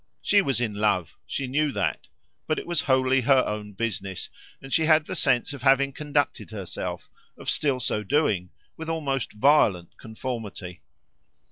She was in love she knew that: but it was wholly her own business, and she had the sense of having conducted herself, of still so doing, with almost violent conformity.